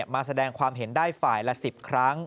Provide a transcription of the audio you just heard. มาแสดงความเห็นได้ฝ่ายละ๑๐ครั้ง